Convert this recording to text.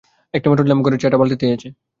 একটিমাত্র ল্যাম্প ঘরের চেহারা পালটে দিয়েছে।